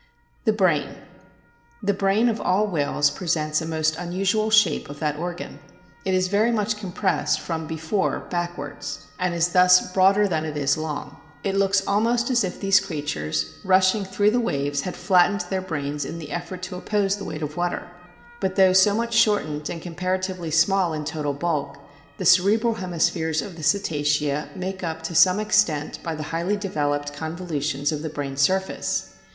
THE BRAIN The brain of all whales presents a most unusual shape of that organ. It is very much compressed from before backwards, and is thus broader than it is long. It looks almost as if these creatures, rush ing through the waves, had flattened their brains in the effort to oppose the weight of water. But though so much shortened and comparatively small in total bulk, the cerebral hemispheres of the Cetacea make up to some extent by the highly developed convolu tions of the brain surface.